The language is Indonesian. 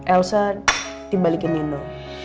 elsa di balikin nino